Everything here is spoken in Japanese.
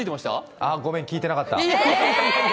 ああごめん聞いてなかった。